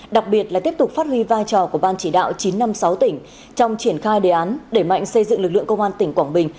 đặc biệt là tiếp tục phát huy vai trò của ban chỉ đạo chín trăm năm mươi sáu tỉnh trong triển khai đề án đẩy mạnh xây dựng lực lượng công an tỉnh quảng bình